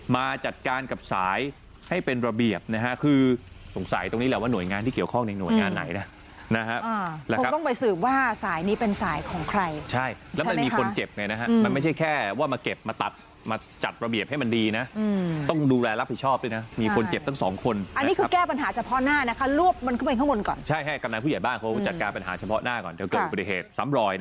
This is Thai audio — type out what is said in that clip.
มาจัดการกับสายให้เป็นระเบียบนะฮะคือสงสัยตรงนี้แหละว่าหน่วยงานที่เกี่ยวข้องในหน่วยงานไหนนะครับผมต้องไปสืบว่าสายนี้เป็นสายของใครใช่แล้วมันมีคนเจ็บไงนะฮะมันไม่ใช่แค่ว่ามาเก็บมาตัดมาจัดระเบียบให้มันดีนะต้องดูแลรับผิดชอบด้วยนะมีคนเจ็บตั้งสองคนอันนี้คือแก้ปัญหาเฉพาะหน้านะคะลวบมัน